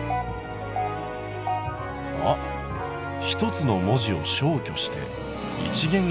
「ひとつの文字を消去して一元